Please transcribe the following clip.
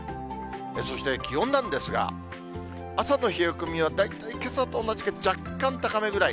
そして気温なんですが、朝の冷え込みは、大体けさと同じか若干高めぐらい。